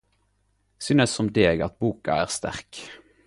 Eg synest som deg at boka er sterk.